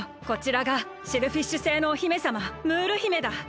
こちらがシェルフィッシュ星のお姫さまムール姫だ。